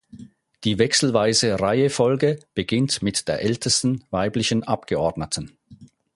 Die wechselweise Reihefolge beginnt mit der ältesten weiblichen Abgeordneten.